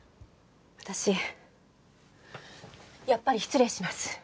私やっぱり失礼します。